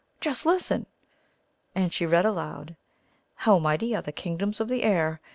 Just listen!" and she read aloud: "'How mighty are the Kingdoms of the Air!